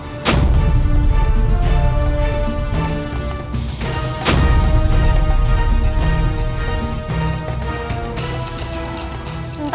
takkan benar benar berbeda